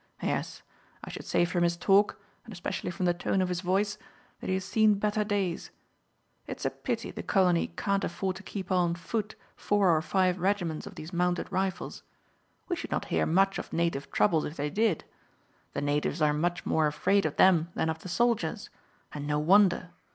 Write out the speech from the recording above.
Yes. I should say from his talk, and especially from the tone of his voice, that he has seen better days. It's a pity the colony can't afford to keep on foot four or five regiments of these Mounted Rifles. We should not hear much of native troubles if they did. The natives are much more afraid of them than of the soldiers; and no wonder.